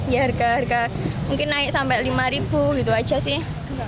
ya harga harga mungkin naik sampai rp lima gitu aja sih